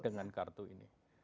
dengan kartu ini